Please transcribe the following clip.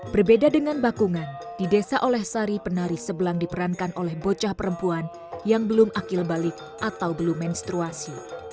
berbeda dengan bakungan di desa oleh sari penari sebelang diperankan oleh bocah perempuan yang belum akil balik atau belum menstruasi